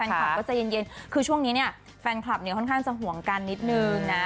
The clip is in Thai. แฟนคลับก็ใจเย็นคือช่วงนี้เนี่ยแฟนคลับเนี่ยค่อนข้างจะห่วงกันนิดนึงนะ